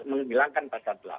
itu akan menghilangkan pasal delapan